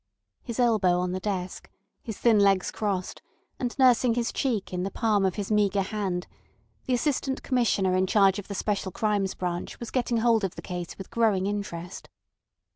His elbow on the desk, his thin legs crossed, and nursing his cheek in the palm of his meagre hand, the Assistant Commissioner in charge of the Special Crimes branch was getting hold of the case with growing interest.